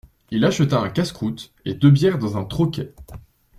Il acheta un casse-croûte et deux bières dans un troquet.